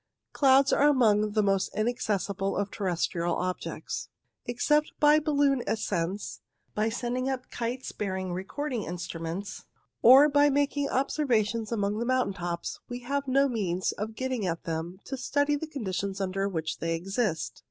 Clouds are among the most inaccessible of terrestrial objects. Except by balloon ascents, by sending up kites bearing recording instruments, or by making observations among the mountain tops, we have no means of getting at them to study the conditions under which they exist.